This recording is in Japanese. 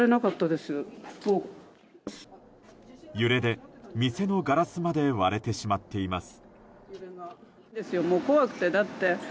揺れで店のガラスまで割れてしまっています。